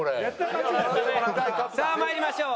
さあまいりましょう。